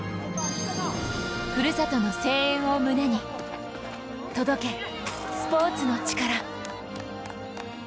ふるさとの声援を胸に届け、スポーツのチカラ。